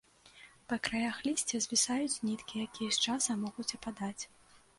Па краях лісця звісаюць ніткі, якія з часам могуць ападаць.